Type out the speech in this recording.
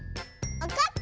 わかった。